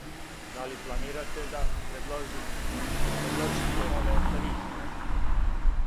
Да ли планирате да предлозите нове тарифе?